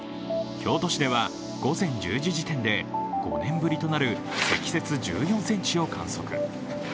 京都市では午前１０時時点で５年ぶりとなる積雪１４ｃｍを観測。